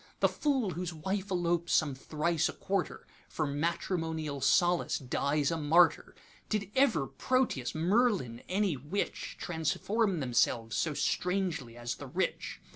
The fool whose wife elopes some thrice a quarter, For matrimonial solace dies a martyr. Did ever Proteus, Merlin, any witch, Transform themselves so strangely as the Rich?